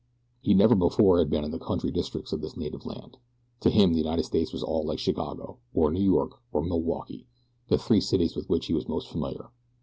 He never before had been in the country districts of his native land. To him the United States was all like Chicago or New York or Milwaukee, the three cities with which he was most familiar.